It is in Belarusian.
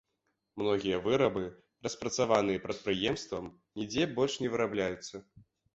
Многія вырабы, распрацаваныя прадпрыемствам, нідзе больш не вырабляюцца.